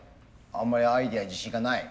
あんまりアイデアに自信がない？